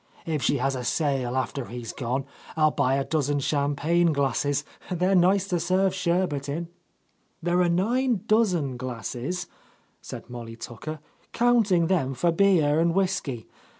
If she has a sale after he's gone, I'll buy a dozen champagne glasses; they're nice to serve sherbet In." "There are nine dozen glasses," said Molly Tucker, "counting them for beer and whiskey.